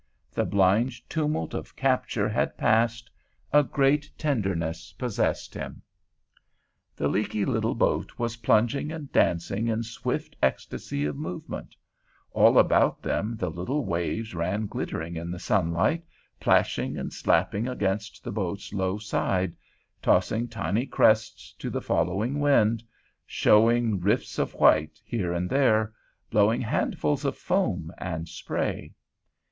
The blind tumult of capture had passed; a great tenderness possessed him. The leaky little boat was plunging and dancing in swift ecstasy of movement; all about them the little waves ran glittering in the sunlight, plashing and slapping against the boat's low side, tossing tiny crests to the following wind, showing rifts of white here and there, blowing handfuls of foam and spray.